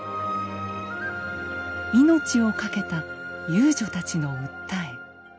命を懸けた遊女たちの訴え。